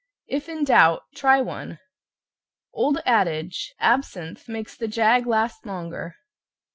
If in doubt, try one. (Old adage, "Absinthe makes the jag last longer)."